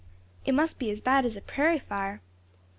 "It must be as bad as a prairie fire."